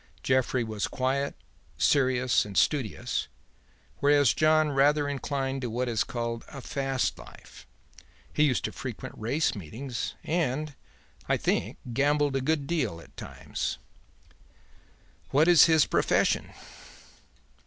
Jeffrey was quiet, serious and studious, whereas John rather inclined to what is called a fast life; he used to frequent race meetings, and, I think, gambled a good deal at times." "What is his profession?"